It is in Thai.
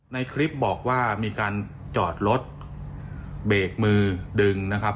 ในคลิปบอกว่ามีการจอดรถเบรกมือดึงนะครับ